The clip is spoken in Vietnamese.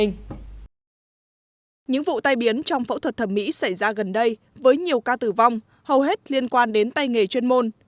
những vụ tai biến trong phẫu thuật thẩm mỹ xảy ra gần đây với nhiều ca tử vong hầu hết liên quan đến tay nghề chuyên môn